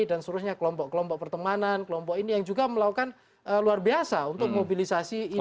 dan seterusnya kelompok kelompok pertemanan kelompok ini yang juga melakukan luar biasa untuk mobilisasi ini